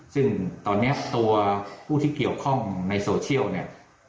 ซึ่งตอนนี้ตัวผู้ที่เกี่ยวข้องในโซเชียลเนี่ย